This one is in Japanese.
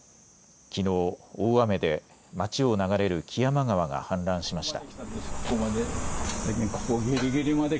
きのう大雨で町を流れる木山川が氾濫しました。